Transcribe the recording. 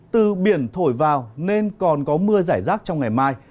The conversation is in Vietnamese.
từ biển thổi vào nên còn có mưa giải rác trong ngày mai